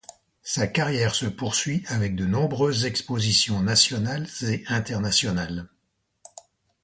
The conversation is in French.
Sa carrière se poursuit avec de nombreuses expositions nationales et internationales.